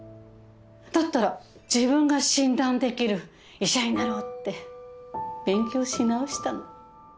だったら自分が診断できる医者になろうって勉強し直したの。